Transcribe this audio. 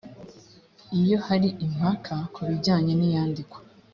iyo hari impaka ku bijyanye n iyandikwa